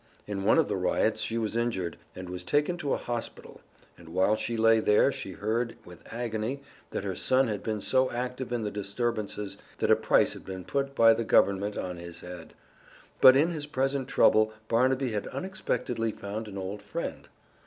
In one of the riots she was injured, and was taken to a hospital, and while she lay there she heard with agony that her son had been so active in the disturbances that a price had been put by the Government on his head. But in his present trouble Barnaby had unexpectedly found an old friend.